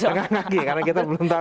setengah kaki karena kita belum tahu